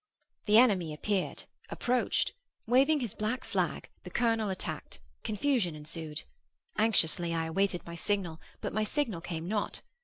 The enemy appeared,—approached. Waving his black flag, the colonel attacked. Confusion ensued. Anxiously I awaited my signal; but my signal came not.